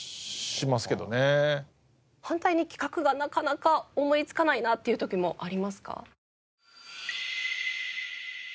反対に企画がなかなか思いつかないなっていう時もありますか？